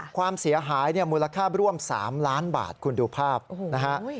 ความเสียหายมูลค่าร่วม๓ล้านบาทคุณดูภาพนะครับ